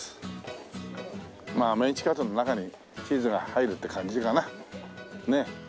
まあメンチカツの中にチーズが入るって感じかな。